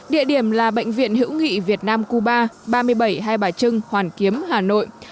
địa điểm là bệnh viện hữu nghị việt nam cuba ba mươi bảy hai bà trưng hoàn kiếm hà nội